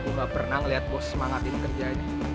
aku gak pernah ngeliat bos semangatin kerjaan